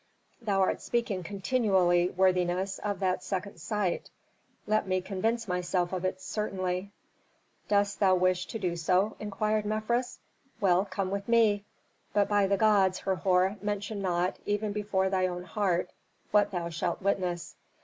"Thou art speaking continually, worthiness, of that second sight. Let me convince myself of it certainly." "Dost thou wish to do so?" inquired Mefres. "Well, come with me. But by the gods, Herhor, mention not, even before thy own heart, what thou shalt witness."